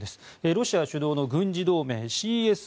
ロシア主導の軍事同盟ＣＳＴＯ。